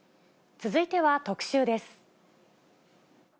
続いては特集です。